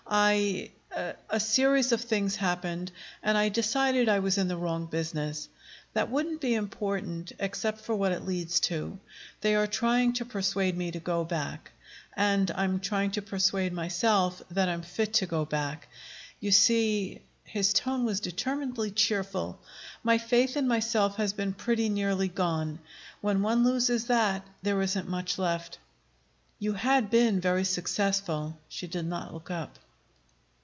I a series of things happened, and I decided I was in the wrong business. That wouldn't be important, except for what it leads to. They are trying to persuade me to go back, and I'm trying to persuade myself that I'm fit to go back. You see," his tone was determinedly cheerful, "my faith in myself has been pretty nearly gone. When one loses that, there isn't much left." "You had been very successful." She did not look up.